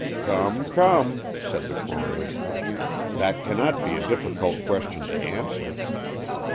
"Come, come," said the coroner, "that cannot be a difficult question to answer.